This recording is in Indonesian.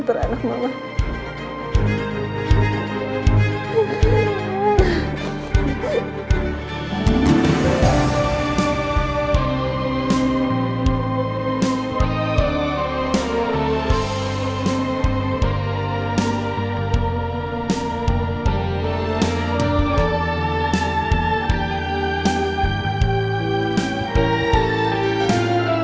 tentu anak mama